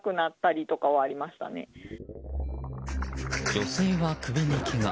女性は首にけが。